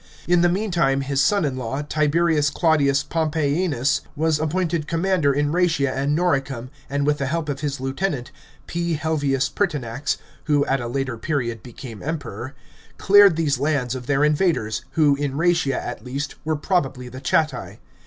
In the meantime his son in law, Tiberius Claudius Pompeianus, was appointed commander in Rastia and Noricum, and with the help of his lieutenant, P. Helvius Pertinax — who at a later period became Emperor— cleared these lands of their invaders, who, in RsBtia at least, were probably the Chatti.